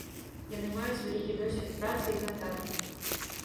Яны маюць вялікі досвед працы і кантакты.